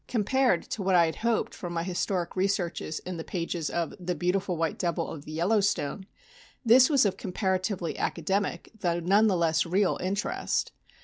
Compared to what I had hoped from my historic researches in the pages of "The Beautiful White Devil of the Yellowstone," this was of comparatively academic though none the less real interest.